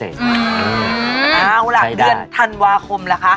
เอาล่ะเดือนธันวาคมล่ะคะ